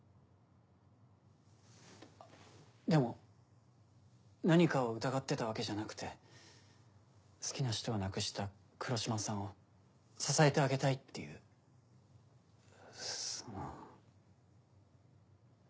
でも何かを疑ってたわけじゃなくて好きな人を亡くした黒島さんを支えてあげたいっていうその。